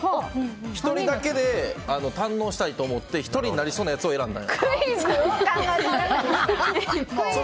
１人だけで堪能したいと思って１人になりそうなやつを選んだ。